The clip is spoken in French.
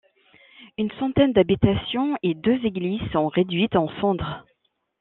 Une centaine d’habitations et deux églises sont réduites en cendres.